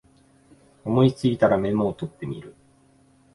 思いついたらメモ取ってみる